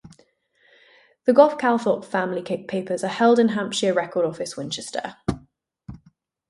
The Gough-Calthorpe family papers are held in Hampshire Record Office, Winchester.